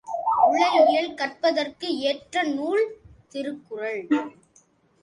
உளஇயல் கற்பதற்கு ஏற்ற நூல் திருக்குறள்.